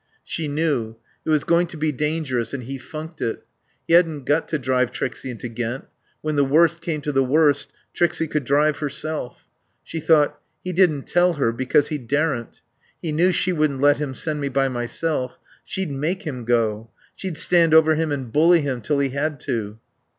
She knew. It was going to be dangerous and he funked it. He hadn't got to drive Trixie into Ghent. When the worst came to the worst Trixie could drive herself. She thought: He didn't tell her because he daren't. He knew she wouldn't let him send me by myself. She'd make him go. She'd stand over him and bully him till he had to.